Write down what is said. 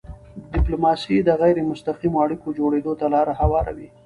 ډیپلوماسي د غیری مستقیمو اړیکو جوړېدو ته لاره هواروي.